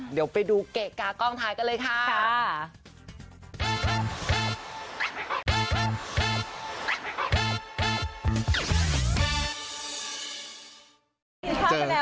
เดี๋ยวไปดูเกะกากล้องท้ายกันเลยค่ะ